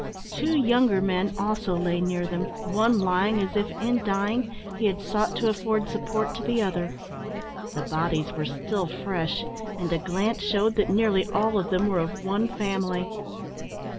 Two younger men also lay near them, one lying as if, in dying, he had sought to afford support to the other. The bodies were still fresh, and a glance shewed that nearly all of them were of one family.